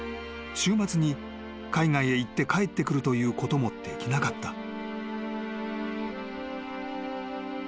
週末に海外へ行って帰ってくるということもできなかった］